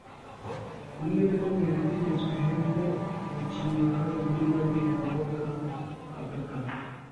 Rimwe na rimwe yategetswe hepfo mu kimwaro. Rimwe na rimwe yagwaga agakata